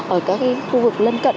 ở các cái khu vực lân cận